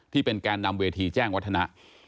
ที่เป็นการนำเวทีแจ้งวัฒนะ